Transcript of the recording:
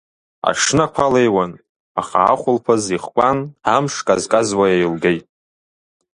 Аҽны ақәа леиуан, аха ахәылԥаз ихкәан, амш казказуа еилгеит.